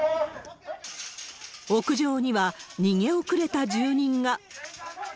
屋上には、逃げ遅れた住人が。